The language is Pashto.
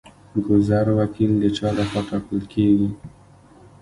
ګذر وکیل د چا لخوا ټاکل کیږي؟